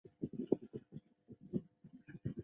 单应性是几何中的一个概念。